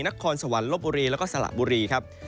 นครสวรรค์ลบบุรีแล้วก็สละบุรีครับ